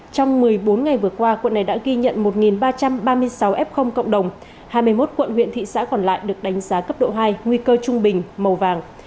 trong một mươi bốn ngày vừa qua quận này đã ghi nhận một ba trăm ba mươi sáu f cộng đồng hai mươi một quận huyện thị xã còn lại được đánh giá cấp độ hai nguy cơ trung bình màu vàng